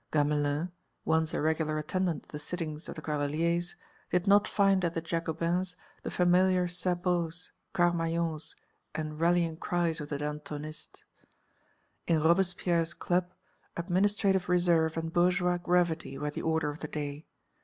Gamelin, once a regular attendant at the sittings of the Cordeliers, did not find at the Jacobins the familiar sabots, carmagnoles and rallying cries of the Dantonists. In Robespierre's club administrative reserve and bourgeois gravity were the order of the day.